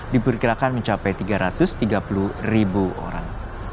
diperkirakan mencapai tiga ratus tiga puluh ribu orang